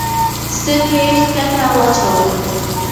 سترګي یې کښته واچولې !